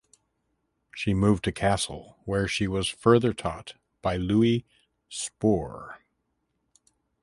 She moved to Kassel where she was further taught by Louis Spohr.